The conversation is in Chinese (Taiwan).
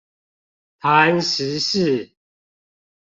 談時事